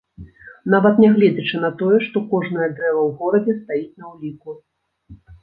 Нават нягледзячы на тое, што кожнае дрэва ў горадзе стаіць на ўліку.